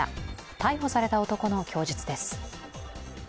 逮捕された男の供述です。